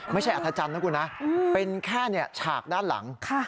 อัธจันทร์นะคุณนะเป็นแค่ฉากด้านหลัง